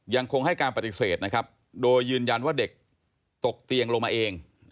ยังคงให้การปฏิเสธนะครับโดยยืนยันว่าเด็กตกเตียงลงมาเอง